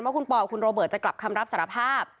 ว่าคุณปอกับคุณโรเบิร์ตจะกลับคำรับสารภาพ